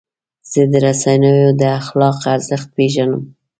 زه د رسنیو د اخلاقو ارزښت پیژنم.